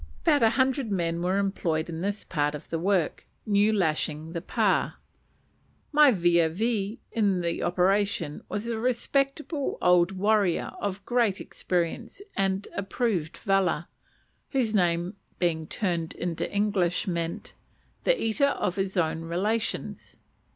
About a hundred men were employed in this part of the work, new lashing the pa. My vis à vis in the operation was a respectable old warrior of great experience and approved valour, whose name being turned into English meant "The eater of his own relations."